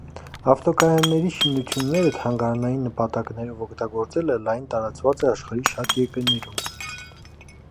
Ավտոկայանների շինությունները թանգարանային նպատակներով օգտագործելը լայն տարածված է աշխարհի շատ երկրներում։